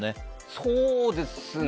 そうですね。